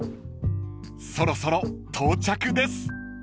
［そろそろ到着です］